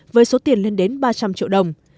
với số tiền lên đến ba trăm linh triệu đồng